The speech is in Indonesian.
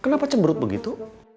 kenapa cemberut begitu